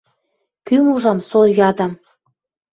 Кӱм ужам, со ядам: